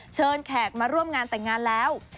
แขกมาร่วมงานแต่งงานแล้ว